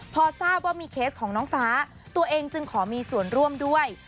พอทราบว่ามีเคสของน้องฟ้าตัวเองจึงขอมีส่วนร่วมด้วย